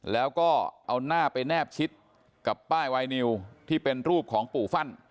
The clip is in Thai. แล้วก็เอาหน้าไปแนบชิดกับป้ายไวนิวที่เป็นรูปของปู่ฟั่น